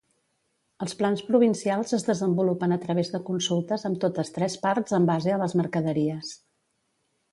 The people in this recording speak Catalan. Els plans provincials es desenvolupen a través de consultes amb totes tres parts en base a les mercaderies.